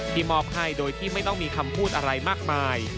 มอบให้โดยที่ไม่ต้องมีคำพูดอะไรมากมาย